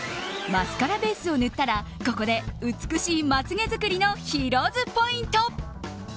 マスカラベースを塗ったらここで美しいまつ毛作りのヒロ’ｓポイント。